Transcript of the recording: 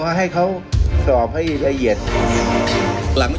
ไม่ใช่ครับไม่ใช่ทางด่าน